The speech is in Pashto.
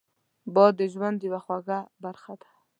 باد د ژوند یوه خوږه برخه ده